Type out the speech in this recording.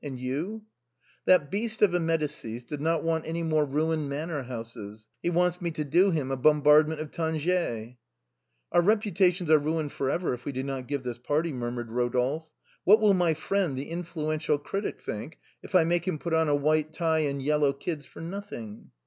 And you ?"" That beast of a Medicis does not want any more ruined 68 THE BOHEMIANS OF THE LATIN QUARTER. manor houses, he wants me to do him a Bombardment of Tangiers." " Our reputations are ruined for ever if we do not give this party," murmured Rodolphe. " What will my friend, the influential critic, think if I make him put on a white tie and yellow kids for nothing